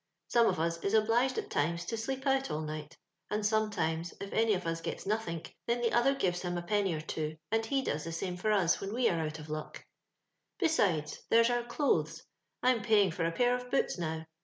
Some of us is obliged at times to sleep out all night ; and sometimes, if any of us gets nothink, then the others gives him a penny or two, and ht does the same for us when tre are out of luck. " Besides, there's our clothes : I'm paying for a pair of boots now.